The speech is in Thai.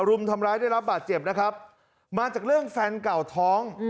รุมทำร้ายได้รับบาดเจ็บนะครับมาจากเรื่องแฟนเก่าท้อง